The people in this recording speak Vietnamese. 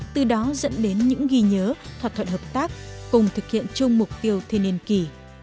từ đó dẫn đến những ghi nhớ thỏa thuận hợp tác cùng thực hiện chung mục tiêu thiên niên kỳ